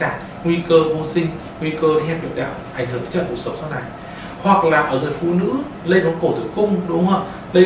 ảnh hưởng đến trận cuộc sống sau này hoặc là ở gần phụ nữ lên bóng cổ tử cung đúng không ạ đây